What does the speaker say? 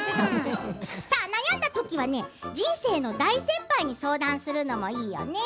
悩んだときは人生の大先輩に相談するのもいいよね。